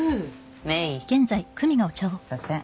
芽衣すいません